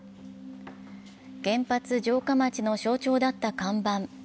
原発城下町の象徴だった看板